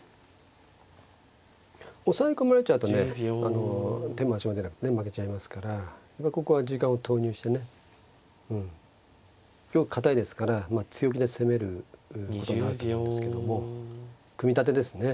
押さえ込まれちゃうとね手も足も出なくてね負けちゃいますからここは時間を投入してね玉堅いですから強気で攻めることになると思うんですけども組み立てですね。